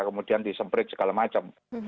kemudian disemprit segala macam